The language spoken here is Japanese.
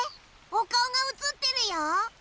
おかおがうつってるよ。